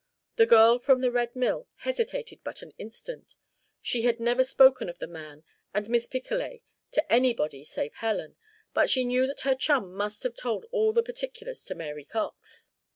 The girl from the Red Mill hesitated but an instant. She had never spoken of the man and Miss Picolet to anybody save Helen; but she knew that her chum must have told all the particulars to Mary Cox.